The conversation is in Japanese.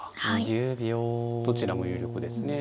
どちらも有力ですね。